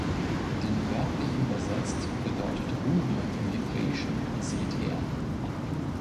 Denn wörtlich übersetzt bedeutet „Ruben“ im Hebräischen: „Seht her!